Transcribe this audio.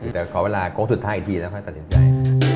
แต่ขอเวลาโค้งสุดท้ายอีกทีแล้วค่อยตัดสินใจ